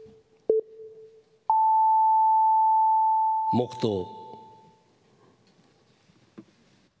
黙とう。